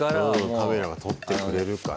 カメラが撮ってくれるから。